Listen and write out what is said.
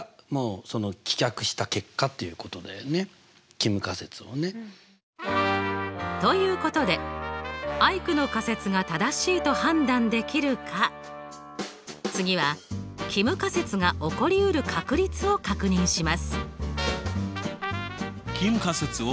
帰無仮説をね。ということでアイクの仮説が正しいと判断できるか次は帰無仮説が起こりうる確率を確認します。